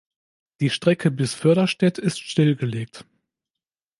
Die Strecke bis Förderstedt ist stillgelegt.